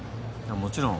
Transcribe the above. もちろん。